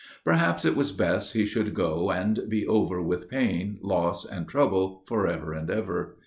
Perhaps it was best he should go and be over With pain, loss and trouble for ever and ever.